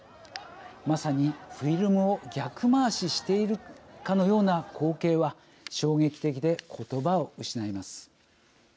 まさに、フィルムを逆回ししているかのような光景は衝撃的でことばを失います。